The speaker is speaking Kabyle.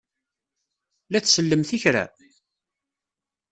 La tsellemt i kra?